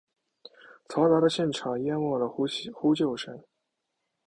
嘈杂的现场淹没了呼救声。